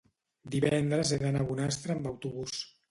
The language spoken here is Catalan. divendres he d'anar a Bonastre amb autobús.